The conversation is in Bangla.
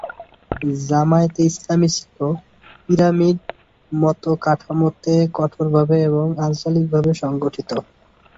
জামায়াতে ইসলামী ছিল পিরামিড-মত কাঠামোতে কঠোরভাবে এবং আঞ্চলিকভাবে সংগঠিত।